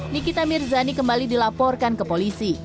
nikita mirzani kembali dilaporkan ke polisi